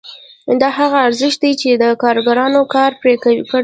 دا هغه ارزښت دی چې کارګرانو کار پرې کړی